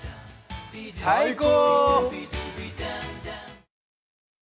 最高！